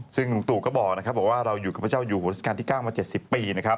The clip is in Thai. ซึ่งลุงตู่ก็บอกว่าเราอยู่กับพระเจ้าอยู่หัวราชการที่๙มา๗๐ปี